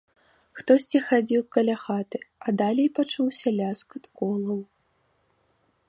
Хтосьці хадзіў каля хаты, а далей пачуўся ляскат колаў.